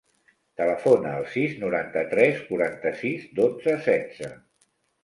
Telefona al sis, noranta-tres, quaranta-sis, dotze, setze.